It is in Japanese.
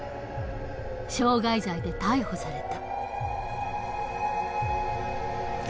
傷害罪で逮捕された。